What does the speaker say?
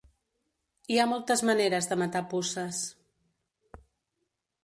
Hi ha moltes maneres de matar puces.